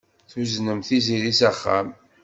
Tuznem Tiziri s axxam.